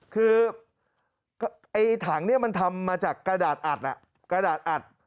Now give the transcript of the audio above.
คือไอ้ถังเนี่ยมันทำมาจากกระดาษอัดกระดาษอัด